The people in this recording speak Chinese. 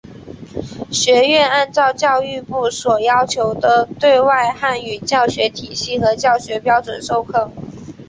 学院按照教育部所要求的对外汉语教学体系和教学标准授课。